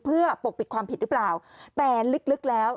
เพื่อปกปิดความผิดหรือเปล่าแต่ลึกแล้ว